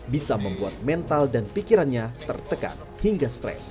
bisa membuat mental dan pikirannya tertekan hingga stres